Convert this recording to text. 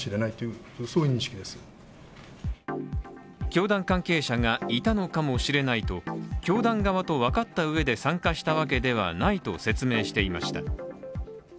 教団関係者がいたのかもしれないと教団側と分かったうえで参加したわけではないと説明していました。